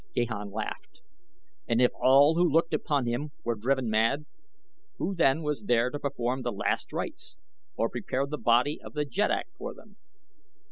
Gahan laughed. "And if all who looked upon him were driven mad, who then was there to perform the last rites or prepare the body of the Jeddak for them?"